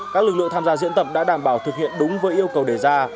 các lực lượng tham gia diễn tập đã đảm bảo thực hiện đúng với yêu cầu đề ra